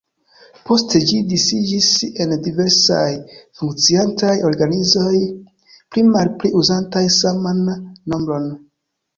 Poste ĝi disiĝis en diversaj funkciantaj organizoj pli mal pli uzantaj saman nombron.